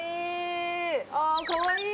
かわいい。